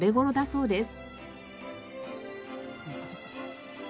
そうですね。